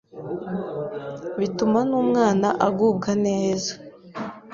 bituma n’umwana agubwa neza